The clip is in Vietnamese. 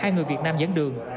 hai người việt nam dẫn đường